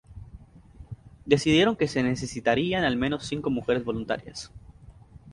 Decidieron que se necesitarían al menos cinco mujeres voluntarias.